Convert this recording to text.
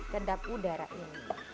kedap udara ini